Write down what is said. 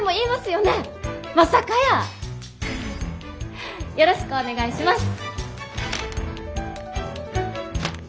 よろしくお願いします。